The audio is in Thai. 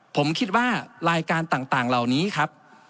ผมคิดว่ารายการต่างเหล่านี้ครับ